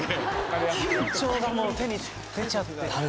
緊張がもう手に出ちゃって。